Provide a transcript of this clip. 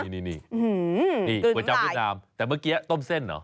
นี่นี่ประจำเวียดนามแต่เมื่อกี้ต้มเส้นเหรอ